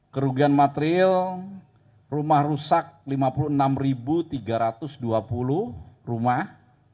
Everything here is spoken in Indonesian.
kerugian material rumah rusak lima puluh enam tiga ratus dua puluh rumah